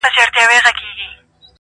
له دوزخه د جنت مهمان را ووت ,